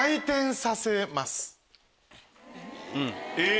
え？